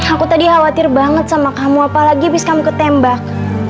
aku tadi khawatir banget sama kamu apalagi abis kamu ketembak